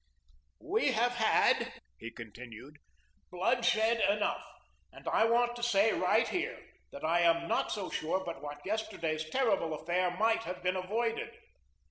"We have had," he continued, "bloodshed enough, and I want to say right here that I am not so sure but what yesterday's terrible affair might have been avoided.